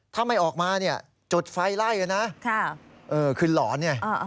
ถ้าไม่ออกมาจุดไฟไล่เลยนะคือหลอน